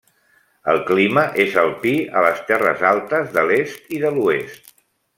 El clima és alpí a les terres altes de l'est i de l'oest.